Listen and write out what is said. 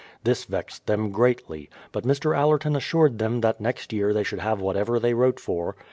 This vexed them greatly, but Mr. Allerton assured them tliat next year they should have whatever they wrote for.